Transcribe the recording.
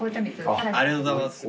ありがとうございます。